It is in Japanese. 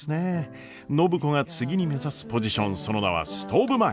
暢子が次に目指すポジションその名はストーブ前。